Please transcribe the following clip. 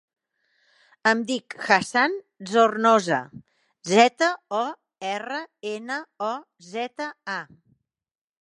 Em dic Hassan Zornoza: zeta, o, erra, ena, o, zeta, a.